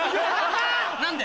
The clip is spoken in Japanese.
何で？